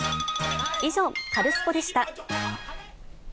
以上、カルスポっ！でした。